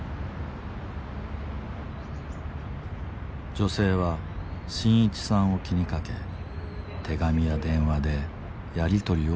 女性は伸一さんを気にかけ手紙や電話でやり取りを続けた。